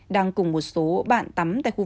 đang cùng một số bạn tắm tại khu vực